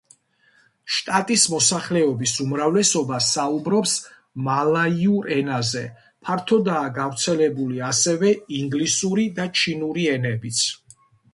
შტატის მოსახლეობის უმრავლესობა საუბრობს მალაიურ ენაზე, ფართოდაა გავრცელებული ასევე ინგლისური და ჩინური ენებიც.